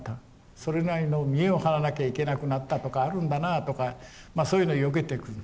それなりの見栄を張らなきゃいけなくなったとかあるんだなとかまあそういうのをよけていく。